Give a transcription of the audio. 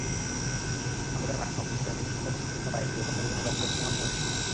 আমরা যারা অফিসগামী, বিভিন্ন পেশার জন্য বাইরে যাই, তাদের জন্য যানজট মহাসমস্যা।